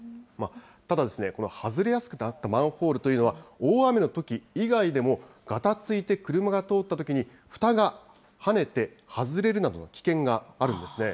ただ、この外れやすくなったマンホールというのは、大雨のとき以外でも、がたついて車が通ったときに、ふたが跳ねて外れるなどの危険があるんですね。